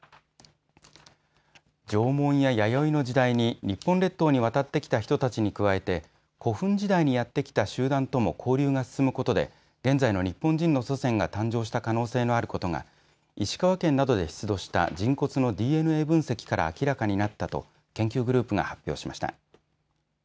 縄文や弥生の時代に日本列島に渡ってきた人たちに加えて古墳時代にやって来た集団とも交流が進むことで現在の日本人の祖先が誕生した可能性のあることが石川県などで出土した人骨のＤＮＡ分析から明らかになったと研究グループが発表しました。